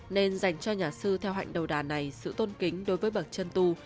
nên dành cho nhà sư theo hạnh đầu đàn này sự tôn kính đối với bậc chân tu